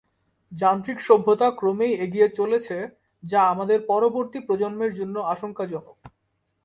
যান্ত্রিক সভ্যতা ক্রমেই এগিয়ে চলেছে যা আমাদের পরবর্তী প্রজন্মের জন্য আশঙ্কাজনক।